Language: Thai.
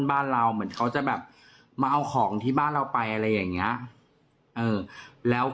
บ้านเราเหมือนเขาจะแบบมาเอาของที่บ้านเราไปอะไรอย่างเงี้ยเออแล้ว